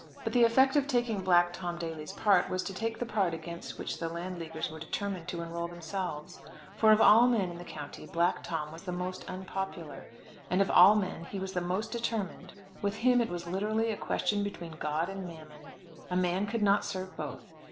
But the effect of taking Black Tom Daly's part was to take the part against which the Land Leaguers were determined to enrol themselves. For of all men in the county, Black Tom was the most unpopular. And of all men he was the most determined; with him it was literally a question between God and Mammon. A man could not serve both.